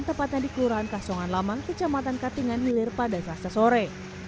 tepatnya di kelurahan kasongan lamang kecamatan katingan hilir pada selasa sore